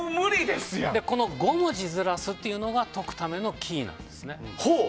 この５文字ずらすというのが解くためのキーなんですね。